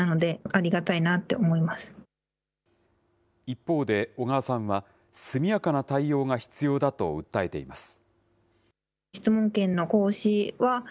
一方で小川さんは、速やかな対応が必要だと訴えています。